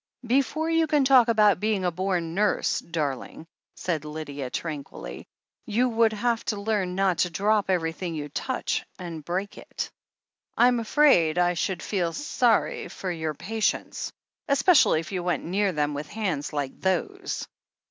"Before you can talk about being a born nurse, darling," said Lydia tranquilly, "you would have to learn not to drop everything you touch, and break it. I'm afraid I should feel sorry for your patients — especially if you went near them with hands like those."